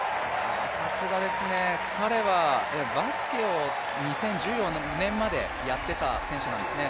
さすがですね、彼はバスケを２０１４年までやってた選手なんですね。